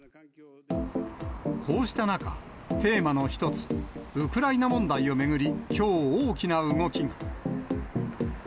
こうした中、テーマの一つ、ウクライナ問題を巡り、きょう、大きな動きが。